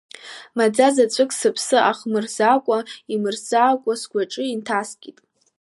Маӡа заҵәык сыԥсы иахмырзакәа, имырзакәа, сгәаҵаҿ инҭаскит.